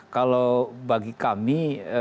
kalau bagi kami